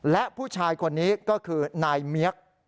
และผู้ชายคนนี้ก็คือนายเมียก